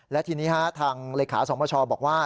และทีนี้ทางเลขาสมชบอกว่า